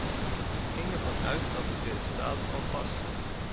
Men ging ervan uit dat het resultaat al vaststond.